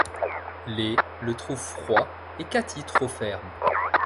Les le trouve froid et Katie trop ferme.